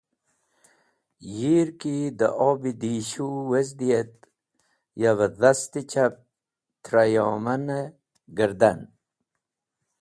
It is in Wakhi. Yir ki dẽ Ob-e Dishu wezdi et yav-e dhast-e chap trẽ yoman-e gardan.